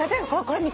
これ。